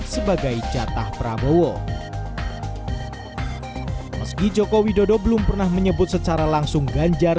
dua ribu dua puluh empat sebagai catah prabowo meski jokowi dodo belum pernah menyebut secara langsung ganjar